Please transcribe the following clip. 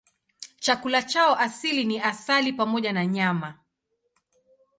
Chakula chao asili ni asali pamoja na nyama.